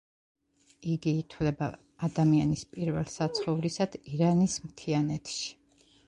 იგი ითვლება ადამიანის პირველ საცხოვრისად ირანის მთიანეთში.